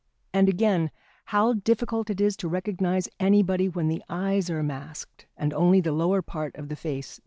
And again, how difficult it is to recognise anybody when the eyes are masked and only the lower part of the face visible.